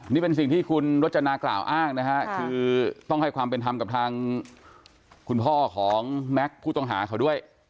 นี่เป็นสิ่งที่คุณรจนากล่าวอ้างนะฮะคือต้องให้ความเป็นธรรมกับทางคุณพ่อของแม็กซ์ผู้ต้องหาเขาด้วย